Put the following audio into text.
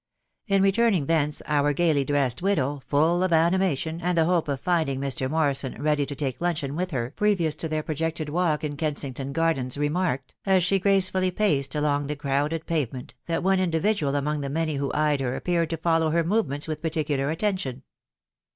In returning thence our gaily dressed widow, full of animation, and the hope of finding Mr. Morrison ready to take luncheon with her pre vious to their projected walk in Kensington Gardens, remarked, as she gracefully paced along the crowded pave*1 ment, that one individual among the many who eyed her appeared to follow her movements with particular attention.